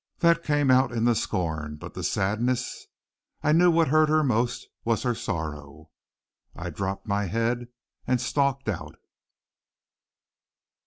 That came out in the scorn, but the sadness I knew what hurt her most was her sorrow. I dropped my head and stalked out.